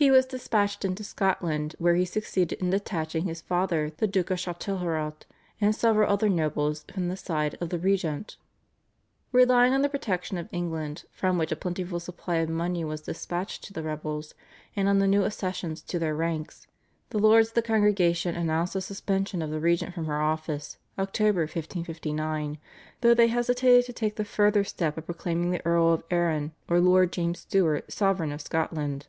He was dispatched into Scotland, where he succeeded in detaching his father, the Duke of Châtelherault, and several other nobles from the side of the regent. Relying on the protection of England, from which a plentiful supply of money was dispatched to the rebels, and on the new accessions to their ranks, the lords of the Congregation announced the suspension of the regent from her office (Oct. 1559) though they hesitated to take the further step of proclaiming the Earl of Arran or Lord James Stuart sovereign of Scotland.